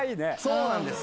そうなんです。